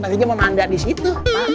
paketnya mah manda di situ